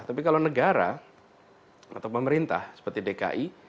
tapi kalau negara atau pemerintah seperti dki